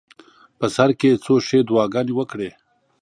په سر کې یې څو ښې دعاګانې وکړې.